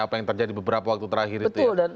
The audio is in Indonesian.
apa yang terjadi beberapa waktu terakhir itu ya